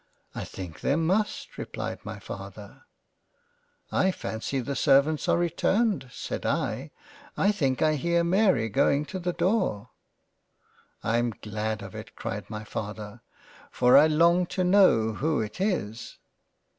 " I think there must," (replied my Father) " I fancy the servants are returned ; (said I) I think I hear Mary going to the Door." '* I'm glad of it (cried my Father) for I long to know who it is."